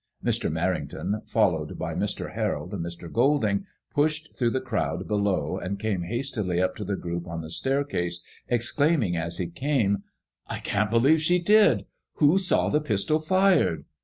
Mr. Merrington, followed by Mr. Harold and Mr. Golding, pushed through the crowd below and came hastily up to the group on the staircase, exclaiming, as he came —'* I can't beheve she did: who saw the pistol fired